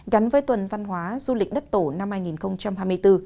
gắn với tuần văn hóa du lịch đất tổ năm hai nghìn hai mươi bốn